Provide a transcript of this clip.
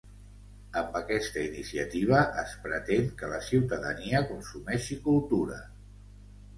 Amb aquesta iniciativa, es pretén que la ciutadania consumeixi cultura.